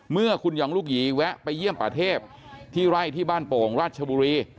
เมื่อคุณหยองลูกหยีแวะไปเยี่ยมป่าเทพที่ไร่ที่บ้านโป่งราชบุรี